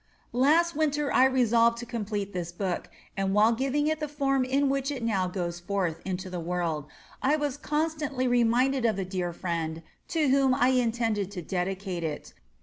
Last winter I resolved to complete this book, and while giving it the form in which it now goes forth into the world, I was constantly reminded of the dear friend to whom I intended to dedicate it.